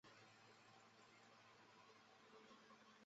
同日联合台风警报中心将其升格为热带风暴。